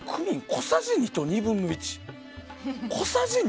小さじ２と２分の１。